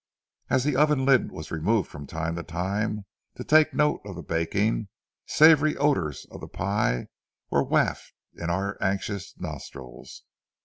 As the oven lid was removed from time to time to take note of the baking, savory odors of the pie were wafted to our anxious nostrils.